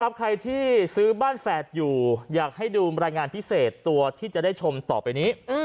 ใครที่ซื้อบ้านแฝดอยู่อยากให้ดูรายงานพิเศษตัวที่จะได้ชมต่อไปนี้